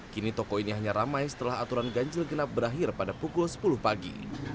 kini toko ini hanya ramai setelah aturan ganjil genap berakhir pada pukul sepuluh pagi